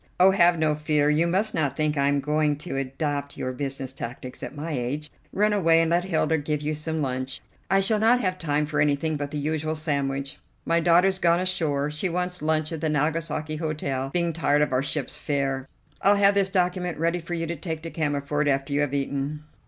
"Oh, have no fear; you must not think I am going to adopt your business tactics at my age. Run away and let Hilda give you some lunch. I shall not have time for anything but the usual sandwich. My daughter's gone ashore. She wants lunch at the Nagasaki Hotel, being tired of our ship's fare. I'll have this document ready for you to take to Cammerford after you have eaten."